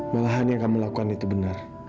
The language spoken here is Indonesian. malahan yang kamu lakukan itu benar